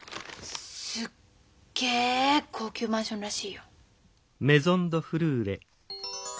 すっげえ高級マンションらしいよ。